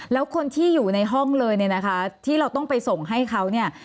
แล้วคนที่อยู่ในห้องเลยเนี่ยนะคะที่เราต้องไปส่งให้เขาเนี่ย